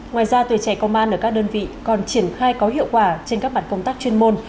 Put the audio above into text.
ngoài ra tuổi trẻ công an ở các đơn vị còn triển khai có hiệu quả trên các bản công tác chuyên môn